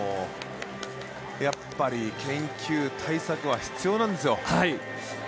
やっぱり研究、対策は必要なんですよ。